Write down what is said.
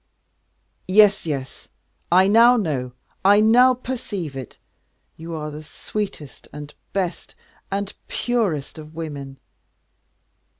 "Yes, yes; I now know, I now perceive it; you are the sweetest, best, and purest of women.